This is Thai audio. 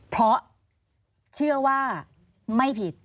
เพราะเชื่อว่าไม่ผิด